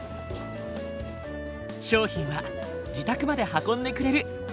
商品は自宅まで運んでくれる。